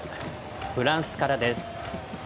フランスからです。